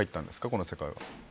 この世界は。